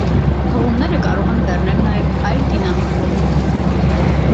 Հղումները կարող են բեռնել նաև այլ դինամիկ մոդուլներ։